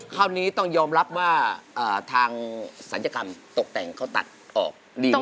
คราวนี้ต้องยอมรับว่าทางศัลยกรรมตกแต่งเขาตัดออกดีมาก